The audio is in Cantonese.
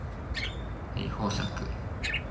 依個單位面積五百平方尺